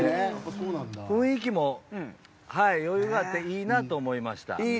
雰囲気も、余裕があっていいなと思いました。